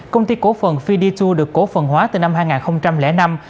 công ty cổ phần fiditu được cổ phần hóa từ năm hai nghìn năm